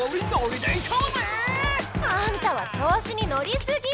あんたは調子にのりすぎ！